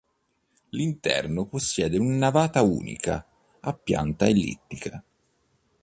L'interno possiede una navata unica a pianta ellittica.